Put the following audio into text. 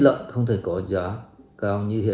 nó không giảm hả